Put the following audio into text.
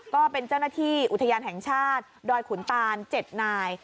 ก็เป็นเจ้าหน้าที่อุทยานแห่งชาติดอยขุนตาน๗นาย